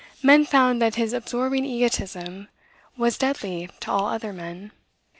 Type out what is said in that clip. Men found that his absorbing egotism was deadly to all other men.